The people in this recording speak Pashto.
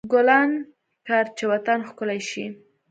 ګلان کر، چې وطن ښکلی شي.